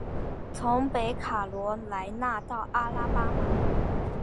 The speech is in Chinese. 从北卡罗来纳到阿拉巴马。